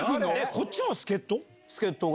こっちも助っ人？